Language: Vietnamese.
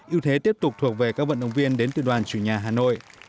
ưu thế tiếp tục thuộc về các vận động viên đến từ đoàn chủ nhà hà nội